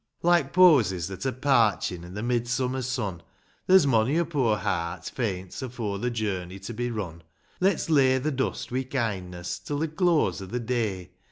Like posies that are parchin' in the midsummer sun, There's mony a poor heart faints afore the journey be run; Let's lay the dust wi' kindness, till the close of the day.